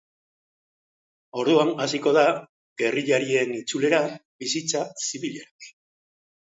Orduan hasiko da gerrillarien itzulera bizitza zibilera.